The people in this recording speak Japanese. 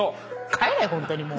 帰れホントにもう。